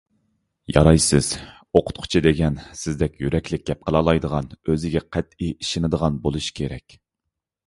يارايسىز! ئوقۇتقۇچى دېگەن سىزدەك يۈرەكلىك گەپ قىلالايدىغان، ئۆزىگە قەتئىي ئىشىنىدىغان بولۇشى كېرەك.